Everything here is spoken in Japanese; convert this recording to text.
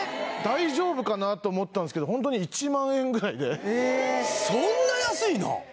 大丈夫かなと思ったんですけどホントにえっそんな安いの？